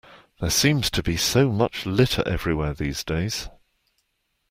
There seems to be so much litter everywhere these days